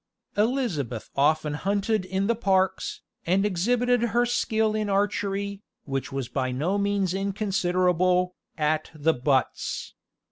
Elizabeth often hunted in the parks, and exhibited her skill in archery, which was by no means inconsiderable, at the butts.